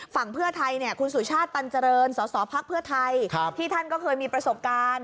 ฝั่งเพื่อไทยคุณสุชาติตันเจริญสศพไทยที่ท่านก็เคยมีประสบการณ์